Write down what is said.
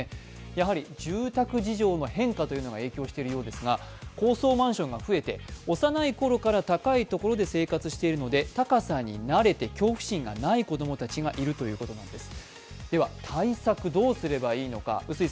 やはり住宅事情の変化というのが影響しているようですが高層マンションが増えて幼いころから高いところで生活しているので高さに慣れて恐怖心がない子供たちがいるということなんです。